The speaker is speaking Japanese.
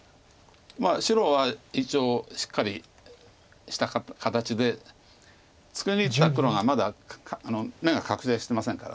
白は一応しっかりした形で突き抜いた黒がまだ眼が確定してませんから。